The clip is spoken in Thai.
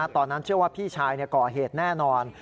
ตอนนั้นเชื่อว่าพี่ชายเกาะเหตุแน่นอน